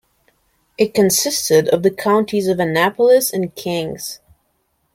It consisted of the counties of Annapolis and Kings.